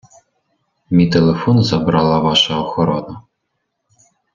Мій телефон забрала ваша охорона.